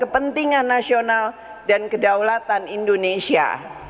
kepada pemerintah beri perhatian kepada rakyat indonesia